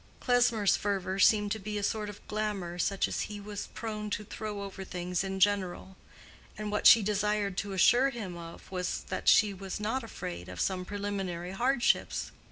Klesmer's fervor seemed to be a sort of glamor such as he was prone to throw over things in general; and what she desired to assure him of was that she was not afraid of some preliminary hardships.